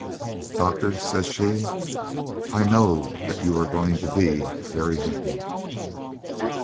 "'Doctor,' says she, 'I know that you are going to be very happy.'